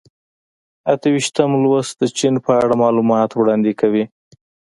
اته ویشتم لوست د چین په اړه معلومات وړاندې کوي.